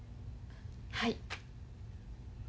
はい。